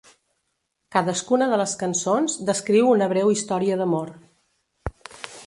Cadascuna de les cançons descriu una breu història d'amor.